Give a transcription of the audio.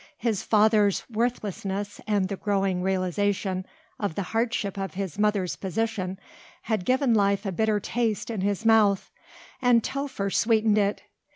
His father's worthlessness and the growing realisation of the hardship of his mother's position had given life a bitter taste in his mouth, and Telfer sweetened it.